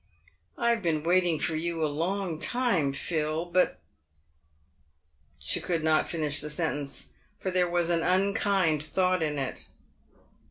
" I have been waiting for you a long time, Phil, but " She could not finish the sentence, for there was an unkind thought in it.